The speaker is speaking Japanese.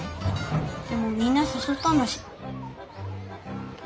でもみんなさそったんだし。